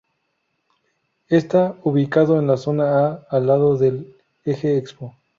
Está ubicado en la Zona A, al lado del "Eje Expo".